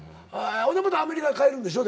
またアメリカへ帰るんでしょ？